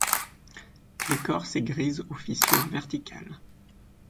L’écorce est grise aux fissures verticales.